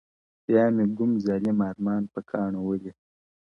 بیا مي ګوم ظالم ارمان په کاڼو ولي،